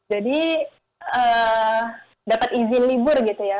jadi dapat izin libur gitu ya